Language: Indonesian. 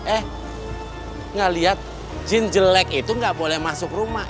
eh ngeliat jin jelek itu nggak boleh masuk rumah